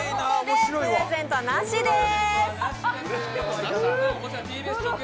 プレゼントはなしでーす。